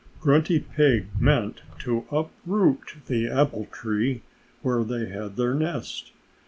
Grunty Pig meant to uproot the apple tree where they had their nest.